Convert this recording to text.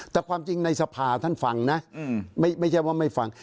แต่ความจริงในสภาท่านฟังนะไม่ใช่ว่าไม่ฟัง